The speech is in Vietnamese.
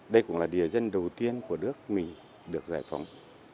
đây cũng là địa dân đầu tiên của nước mình được giải phóng